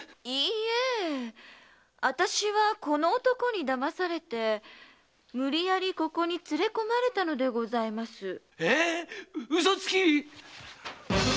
いいえあたしはこの男に騙されてむりやりここに連れ込まれたのでございます。